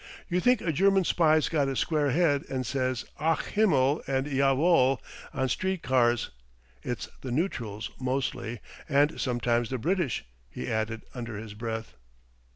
"You think a German spy's got a square head and says 'Ach himmel' and 'Ja wohl' on street cars. It's the neutrals mostly, and sometimes the British," he added under his breath.